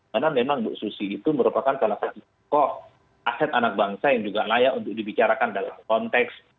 karena memang bu susi itu merupakan salah satu aset anak bangsa yang juga layak untuk dibicarakan dalam konteks